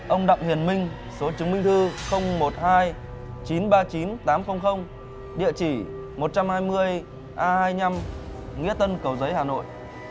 ông đặng hiền minh số chứng minh thư một mươi hai chín trăm ba mươi chín tám trăm linh địa chỉ một trăm hai mươi a hai mươi năm nghĩa tân cầu giấy hà nội